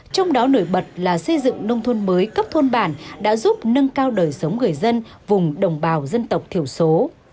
trong đó nổi bật là xây dựng nông thôn mới cấp thôn bản đã giúp nâng cao đời sống người dân vùng đồng bào dân tộc thiểu số